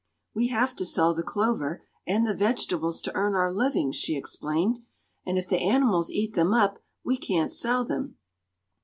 "We have to sell the clover and the vegetables to earn our living," she explained; "and if the animals eat them up we can't sell them."